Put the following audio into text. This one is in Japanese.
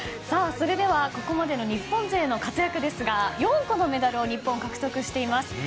それではここまでの日本勢の活躍ですが４個のメダルを日本、獲得しています。